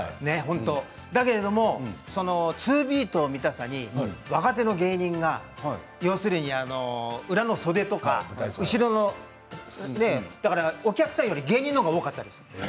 だけれどもツービート見たさに若手の芸人が要するに裏の袖とか後ろのだからお客さんより芸人のほうが多かったです。